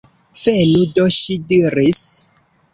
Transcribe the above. Venu do, ŝi diris.